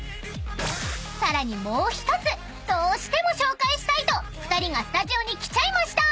［さらにもう１つどうしても紹介したいと２人がスタジオに来ちゃいました］